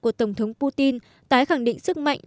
của tổng thống putin tái khẳng định sức mạnh